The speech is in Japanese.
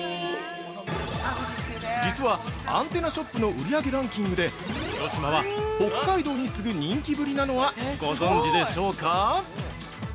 実は、アンテナショップの売り上げランキングで広島は、北海道に次ぐ人気ぶりなのはご存知でしょうか。